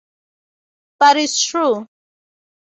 But it's true.